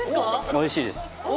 おいしいです。